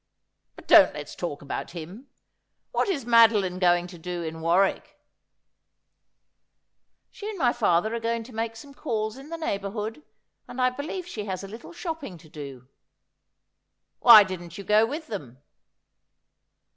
But don't let's talk about him. What is Madoline going to do in Warwick ?'' She and my father are going to make some calls in the neighbourhood, and I believe she has a little shopping to do.' ' Why didn't you go with them